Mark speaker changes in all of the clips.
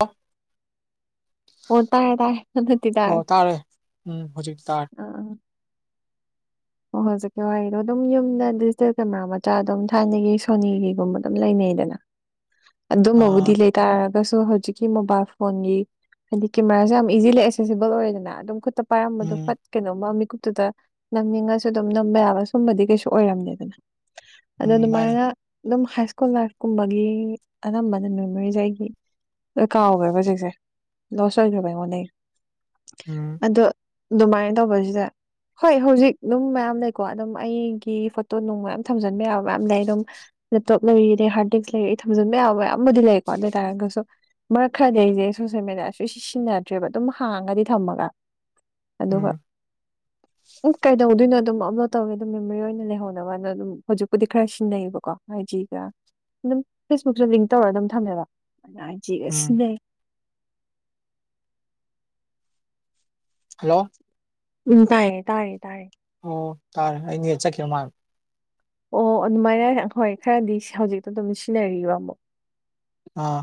Speaker 1: ꯋꯥ
Speaker 2: ꯑꯣ ꯇꯥꯔꯦ ꯇꯥꯔꯦꯠꯇ ꯇꯥꯔꯦ
Speaker 1: ꯎꯝ ꯍꯧꯖꯤꯛ ꯇꯔ
Speaker 2: ꯑꯥ ꯑꯣ ꯍꯧꯖꯤꯛꯀꯤ ꯋꯥꯔꯤꯗꯣ ꯑꯗꯨꯝ ꯌꯨꯝꯗ ꯗꯤꯖꯤꯇꯦꯜ ꯀꯦꯃꯦꯔꯥ ꯃꯆꯥ ꯑꯗꯨꯝ ꯊꯥꯏꯅꯒꯤ ꯁꯣꯅꯤꯒꯤꯒꯨꯝꯕ ꯑꯗꯨꯝ ꯂꯩꯅꯩꯗꯅ ꯑꯗꯨꯝꯕꯕꯨꯗꯤ
Speaker 1: ꯑꯥ
Speaker 2: ꯂꯩ ꯇꯥꯔꯒꯁꯨ ꯍꯧꯖꯤꯛꯀꯤ ꯃꯣꯕꯥꯏꯜ ꯐꯣꯟꯒꯤ ꯍꯥꯏꯗꯤ ꯀꯦꯃꯦꯔꯥꯥꯖꯤ ꯌꯥꯝ ꯏꯖꯤꯂꯤ ꯑꯦꯁꯤꯁꯤꯕꯜ ꯑꯣꯏꯌꯦꯗꯅ ꯑꯗꯨꯝ ꯈꯨꯠꯇ ꯄꯥꯏꯔꯝꯕꯗꯣ
Speaker 1: ꯎꯝ
Speaker 2: ꯐꯠ ꯀꯩꯅꯣꯝꯃ ꯃꯤꯀꯨꯞꯇꯨꯗ ꯅꯝꯅꯤꯡꯉ ꯁꯨ ꯑꯗꯨꯝ ꯅꯝꯕ ꯌꯥꯕ ꯁꯨꯝꯕꯗꯤ ꯀꯩꯁꯨ ꯑꯣꯏꯔꯝꯗꯦꯗꯅ ꯑꯗꯨꯗ
Speaker 1: ꯎꯝ ꯃꯥꯅꯤ
Speaker 2: ꯑꯗꯨꯃꯥꯏꯅ ꯑꯗꯨꯝ ꯍꯥꯏ ꯁ꯭ꯀꯨꯜ ꯂꯥꯏꯐꯀꯨꯝꯕꯒꯤ ꯑꯅꯝꯕꯅ ꯃꯦꯃꯣꯔꯤꯖꯤ ꯑꯩꯒꯤ ꯂꯣꯏ ꯀꯥꯎꯒ꯭ꯔꯦꯕ ꯍꯧꯖꯤꯛꯖꯦ ꯂꯣꯁ ꯑꯣꯏꯒ꯭ꯔꯦꯕ ꯑꯩꯉꯣꯟꯗꯩ꯫
Speaker 1: ꯎꯝ
Speaker 2: ꯑꯗꯣ ꯑꯗꯨꯃꯥꯏꯅ ꯇꯧꯕꯁꯤꯗ ꯍꯣꯏ ꯍꯧꯖꯤꯛ ꯑꯗꯨꯝ ꯃꯌꯥꯝ ꯂꯩꯀꯣ ꯑꯗꯨꯝ ꯑꯩꯒꯤ ꯐꯣꯇꯣ ꯅꯨꯡ ꯃꯌꯥꯝ ꯊꯝꯖꯤꯟꯕ ꯌꯥꯕ ꯃꯌꯥꯝ ꯂꯩ ꯑꯗꯨꯝ ꯂꯦꯞꯇꯣꯞ ꯂꯩꯔꯤ ꯑꯗꯩ ꯍꯥꯔꯠ ꯗꯤꯁ ꯂꯩꯔꯤ ꯑꯩ ꯊꯝꯖꯤꯟ ꯃꯌꯥꯝ ꯃꯌꯥꯝ ꯑꯃꯗꯤꯗꯤ ꯂꯩꯦꯀꯣ ꯑꯗꯨ ꯑꯣꯏꯇꯥꯥꯔꯒꯁꯨ ꯃꯔꯛ ꯈꯔꯗꯤꯩꯁꯦ ꯁꯣꯁꯦꯜ ꯃꯦꯗꯤꯌꯥꯁꯨ ꯑꯩ ꯁꯤ ꯁꯤꯖꯤꯟꯅꯗ꯭ꯔꯦꯕ ꯑꯗꯨꯝ ꯍꯥꯡꯉꯒꯗꯤ ꯊꯝꯃꯒ ꯑꯗꯨꯒ
Speaker 1: ꯎꯝ
Speaker 2: ꯎꯝ ꯀꯩꯗꯧꯗꯣꯏꯅꯣ ꯑꯗꯨꯝ ꯑꯞꯂꯣꯗ ꯇꯧꯋꯦ ꯑꯗꯨꯝ ꯃꯦꯃꯣꯔꯤ ꯑꯣꯏꯅ ꯂꯩꯍꯧꯅꯕꯥꯟꯗ ꯑꯗꯨꯝ ꯍꯧꯖꯤꯛꯄꯨꯗꯤ ꯈꯔ ꯁꯤꯖꯤꯟꯅꯩꯌꯦꯕꯀꯣ ꯍꯥꯏꯖꯤꯒ ꯑꯗꯨꯝ ꯐꯦꯁꯕꯨꯛꯇ ꯂꯤꯡ ꯇꯧꯔ ꯑꯗꯨꯝ ꯊꯝꯃꯦꯕ ꯑꯗꯨ ꯍꯥꯏꯁꯤꯒ
Speaker 1: ꯎꯝ
Speaker 2: ꯁꯤꯖꯤꯟꯅꯩ
Speaker 1: ꯍꯜꯂꯣ꯫
Speaker 2: ꯎꯝ ꯇꯥꯏꯌꯦ ꯇꯥꯏꯌꯦ ꯇꯥꯏꯌꯦ꯫
Speaker 1: ꯑꯣ ꯇꯥꯔꯦ ꯑꯩꯩꯅ ꯌꯦꯠ ꯆꯠꯈꯤꯕ ꯃꯥꯟ
Speaker 2: ꯑꯣ ꯑꯗꯨꯃꯥꯏꯅ ꯍꯣꯏ ꯈꯔꯗꯤ ꯍꯧꯖꯤꯛꯇꯣ ꯑꯗꯨꯝ ꯁꯤꯟꯅꯔꯤꯕ ꯑꯃꯨꯛ
Speaker 1: ꯑꯥ꯫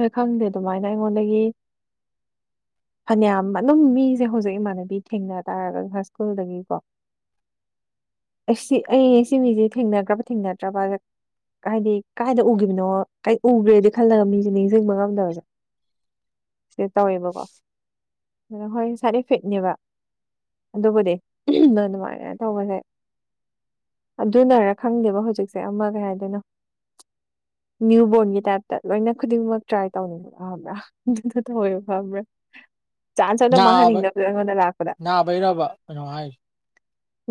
Speaker 2: ꯍꯣꯏ ꯈꯪꯗꯦ ꯑꯗꯨꯃꯥꯏꯅ ꯑꯩꯉꯣꯟꯗꯒꯤ ꯐꯅꯌꯥꯝ ꯑꯗꯨꯝ ꯃꯤꯖꯦ ꯍꯧꯖꯤꯛ ꯏꯃꯥꯟꯅꯕꯤ ꯊꯦꯡꯅ ꯇꯥꯔꯒ ꯍꯥꯏ ꯁ꯭ꯀꯨꯜꯗꯒꯤꯀꯣ ꯑꯩꯁ ꯑꯩ ꯁꯤ ꯃꯤꯖꯦ ꯊꯦꯡꯅꯒ꯭ꯔꯕ ꯊꯦꯡꯅꯗ꯭ꯔꯕ ꯍꯥꯏꯗꯤ ꯀꯥꯏꯗ ꯎꯒꯤꯕꯅꯣ ꯀꯩ ꯎꯒ꯭ꯔꯦꯗꯤ ꯈꯜꯂꯒ ꯃꯤꯖꯦ ꯅꯤꯡꯖꯤꯡꯕ ꯉꯝꯗꯕꯖꯦ ꯁꯤ ꯇꯧꯋꯦꯕꯀꯣ ꯑꯗꯨ ꯍꯣꯏ ꯁꯥꯏꯠ ꯏꯐꯦꯛꯅꯦꯕ꯫ ꯑꯗꯨꯕꯨꯗꯤ [unintelligible] ꯑꯗꯨꯃꯥꯏꯅ ꯇꯧꯕꯖꯦ ꯑꯗꯨꯅꯔ ꯈꯪꯗꯦꯕ ꯍꯧꯖꯤꯛꯁꯦ ꯑꯃ ꯀꯩ ꯍꯥꯏꯗꯣꯏꯅꯣ꯫ ꯅꯤꯌꯨ ꯕꯣꯔꯟꯒꯤ ꯇꯥꯏꯞꯇ ꯂꯣꯏꯅ ꯈꯨꯗꯤꯡꯃꯛ ꯇ꯭ꯔꯥꯏ ꯇꯧꯅꯤꯡꯕ [unintelligible] ꯑꯗꯨꯗꯣ ꯇꯧꯋꯦꯕ [unintelligible] ꯆꯥꯟꯁ ꯑꯝꯇ
Speaker 1: ꯅꯥꯕ
Speaker 2: ꯃꯥꯡꯍꯟꯅꯤꯡꯗꯕꯗꯣ ꯑꯩꯉꯣꯟꯗ ꯂꯥꯛꯄꯗ꯫
Speaker 1: ꯅꯥꯕꯩꯔꯕ ꯀꯩꯅꯣ ꯍꯥꯏꯁꯦ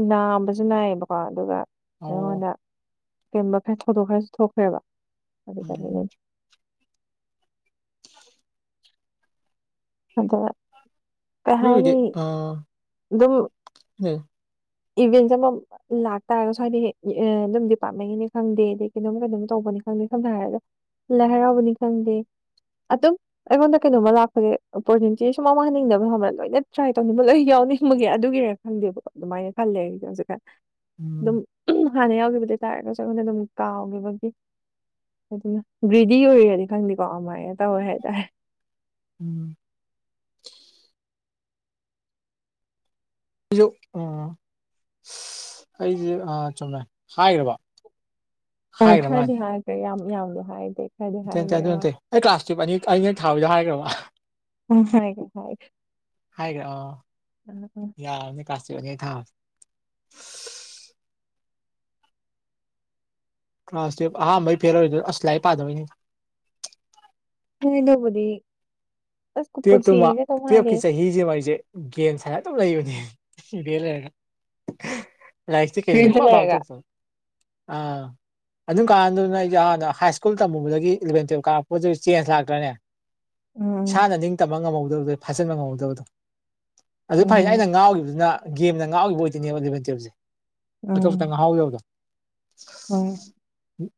Speaker 2: ꯅꯥꯕꯖꯨ ꯅꯥꯏꯌꯦꯕꯀꯣ ꯑꯗꯨꯒ
Speaker 1: ꯑꯣ
Speaker 2: ꯑꯩꯉꯣꯟꯗ ꯀꯩꯝꯒꯨꯝꯕ ꯊꯧꯗꯣꯛ ꯈꯔꯁꯨ ꯊꯣꯛꯈ꯭ꯔꯦꯕ
Speaker 1: ꯎꯝ
Speaker 2: ꯑꯗꯨꯗꯒꯤꯅꯤ꯫ ꯑꯗꯨꯒ ꯀꯩ ꯍꯥꯏꯅꯤ ꯑꯗꯨꯝ
Speaker 1: ꯑꯦ
Speaker 2: ꯏꯚꯦꯟ [unintelligible] ꯂꯥꯛꯇꯥꯔꯒꯁꯨ ꯍꯥꯏꯗꯤ ꯑ ꯑꯗꯨꯝ ꯗꯤꯄꯥꯔꯠꯃꯦꯟꯒꯤꯅꯤ ꯈꯪꯗꯦ ꯑꯗꯩ ꯀꯩꯅꯣꯝ ꯀꯩꯅꯣꯝ ꯇꯧꯕꯅꯤ ꯈꯪꯗꯦ ꯁꯝꯅ ꯍꯥꯏꯔꯒ ꯂꯥꯏ ꯍꯔꯥꯎꯕꯅꯤ ꯈꯪꯗꯦ ꯑꯗꯨꯝ ꯑꯩꯉꯣꯟꯗ ꯀꯩꯅꯣꯝꯃ ꯂꯥꯛꯄꯖꯦ ꯑꯣꯄꯣꯔꯆꯨꯅꯤꯇꯤ ꯁꯨꯃꯥꯡ ꯃꯥꯡꯍꯟꯅꯤꯡꯗꯕꯗꯣ ꯈꯪꯕꯔ ꯂꯣꯏꯅ ꯇ꯭ꯔꯥꯏ ꯇꯧꯅꯤꯡꯕ ꯂꯣꯏ ꯌꯥꯎꯅꯤꯡꯕꯒꯤ ꯑꯗꯨꯒꯤꯔ ꯈꯪꯗꯦꯕꯀꯣ ꯑꯗꯨꯃꯥꯏꯅ ꯈꯜꯂꯦ ꯑꯩꯗꯤ ꯍꯧꯖꯤꯛꯀꯥꯟ ꯑꯗꯨꯝ꯫
Speaker 1: ꯎꯝ
Speaker 2: ꯍꯥꯟꯅ ꯌꯥꯎꯒꯤꯕ ꯑꯗꯨꯇꯥꯔꯒꯁꯨ ꯑꯩꯉꯣꯟꯗ ꯑꯗꯨꯝ ꯀꯥꯎꯒꯤꯕꯒꯤ ꯑꯗꯨꯅ ꯒ꯭ꯔꯤꯗꯤ ꯑꯣꯏꯔꯤꯔꯗꯤ ꯈꯪꯗꯦꯀꯣ ꯑꯗꯨꯃꯥꯏꯅ ꯇꯧꯋꯦ ꯍꯥꯏꯇꯥꯔꯦ꯫
Speaker 1: ꯎꯝ꯫ ꯑꯩꯖꯨ ꯑ [unintelligible] ꯑꯩꯖꯨ ꯆꯨꯝꯅ ꯍꯥꯏꯒ꯭ꯔꯕ꯫
Speaker 2: ꯑ ꯈꯔꯗꯤ ꯍꯥꯏꯒ꯭ꯔꯦ ꯌꯥꯝ ꯌꯥꯝꯅ ꯍꯥꯏꯗꯦ꯫ ꯈꯔꯗꯤ
Speaker 1: ꯇꯦꯇꯦ
Speaker 2: ꯍꯥꯏꯈ꯭ꯔꯦ
Speaker 1: ꯑꯗꯨ
Speaker 2: ꯍꯣꯏ
Speaker 1: ꯅꯠꯇ ꯑꯩ ꯀ꯭ꯂꯥꯁ ꯇꯨꯌꯦꯞ ꯑꯅꯤꯔꯛ ꯑꯅꯤꯔꯛ ꯊꯥꯕꯩꯗꯣ ꯍꯥꯏꯒ꯭ꯔꯕ꯫
Speaker 2: ꯎꯝ ꯍꯥꯏꯒꯔꯦ ꯍꯥꯏꯒꯔꯦ꯫
Speaker 1: ꯍꯥꯏꯒꯔꯦ ꯑ ꯌꯥꯕꯅꯤ ꯀꯂꯥ꯭ꯁ ꯇꯨꯌꯦꯞ ꯑꯅꯤꯔꯛ ꯊꯥꯕꯗꯣ [unintelligible] ꯀ꯭ꯂꯥꯁ ꯇꯨꯌꯦꯞ ꯑꯍꯥꯟꯕꯩ ꯐꯦꯜ ꯑꯣꯏꯕꯗꯣ ꯑꯁ ꯂꯥꯏꯔꯛ ꯄꯥꯗꯕꯩꯅꯤꯗ
Speaker 2: ꯃꯤ ꯑꯅꯧꯕꯗꯤ
Speaker 1: ꯇꯨꯌꯦꯞꯇꯨ ꯃꯥ
Speaker 2: ꯍꯥꯏꯗꯤ
Speaker 1: ꯇꯨꯌꯦꯞꯀꯤ ꯆꯍꯤꯖꯤ ꯃꯥ ꯑꯩꯖꯦ꯫ ꯒꯦꯝ ꯁꯥꯟꯅꯔ ꯑꯗꯨꯝ ꯂꯩꯕꯅꯦ ꯔꯦꯟ ꯂꯩꯔꯒ
Speaker 2: ꯔꯦꯟꯇ ꯂꯩꯔꯒ
Speaker 1: ꯂꯥꯏꯔꯤꯛꯁꯦ [unintelligible] ꯑꯥ ꯑꯗꯨꯝ ꯀꯥꯟꯗꯨꯅ ꯑꯩꯖꯦ ꯍꯥꯏ ꯁ꯭ꯀꯨꯜ ꯇꯝꯃꯨꯕꯗꯒꯤ ꯏꯂꯚꯦꯟ ꯇꯨꯌꯦꯞ ꯀꯥꯔꯛꯄꯗꯩ ꯆꯦꯟꯖ ꯂꯥꯛꯇ꯭ꯔꯅꯦ
Speaker 2: ꯎꯝ
Speaker 1: ꯏꯁꯥꯅ ꯅꯤꯡꯇꯝꯕ ꯉꯝꯍꯧꯗꯕꯗꯣ ꯐꯥꯖꯤꯟꯕ ꯉꯝꯍꯧꯗꯕꯗꯣ ꯑꯗꯨ
Speaker 2: ꯎꯝ
Speaker 1: ꯐꯔꯁꯦ
Speaker 2: ꯍꯣꯏ
Speaker 1: ꯑꯩꯅ ꯉꯥꯎꯈꯤꯕꯗꯨꯅ ꯒꯦꯝꯅ ꯉꯥꯛꯍꯥꯎꯈꯤꯕ ꯑꯣꯏꯗꯣꯏꯅꯦꯕ ꯏꯂꯕꯦꯟ ꯇꯨꯌꯦꯦꯜꯞꯁꯦ ꯑꯇꯣꯞꯄꯇ ꯉꯥꯏꯍꯥꯎ ꯌꯥꯎꯗꯣ
Speaker 2: ꯍꯝ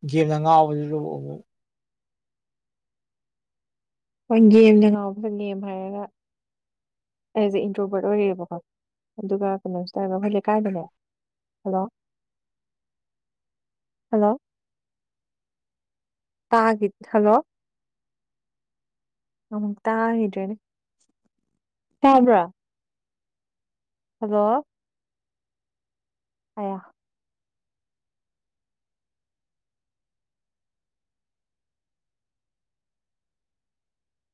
Speaker 1: ꯒꯦꯝꯗ ꯉꯥꯎꯕꯗꯨꯗ ꯑꯃꯨꯛ
Speaker 2: ꯃꯣꯏ ꯒꯦꯝꯗ ꯉꯥꯎꯕ ꯒꯦꯝ ꯍꯥꯏꯔꯒ ꯑꯩꯖꯦ ꯏꯟꯇ꯭ꯔꯣꯕꯔꯠ ꯑꯣꯏꯔꯦꯛꯑꯦꯕꯀꯣ ꯑꯗꯨꯒ ꯀꯩꯅꯣꯁꯨ ꯇꯧꯋꯦꯕ ꯑꯈꯣꯏ ꯂꯩꯀꯥꯏꯗꯅꯦ ꯍꯜꯂꯣ ꯍꯜꯂꯣ ꯇꯥꯒꯤ- ꯍꯜꯂꯣ꯫ ꯑꯃꯨꯛ ꯇꯥꯒꯤꯗ꯭ꯔꯦꯅꯦ ꯇꯥꯕ꯭ꯔ꯫ ꯍꯜꯂꯣ꯫ ꯑꯌꯥ